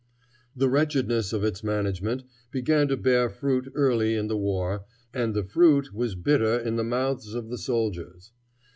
The wretchedness of its management began to bear fruit early in the war, and the fruit was bitter in the mouths of the soldiers.